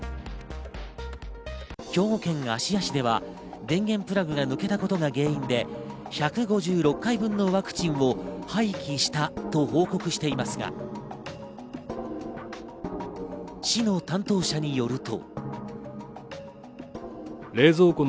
兵庫県芦屋市では電源プラグが抜けたことが原因で１５６回分のワクチンを廃棄したと報告していますが、市の担当者によると。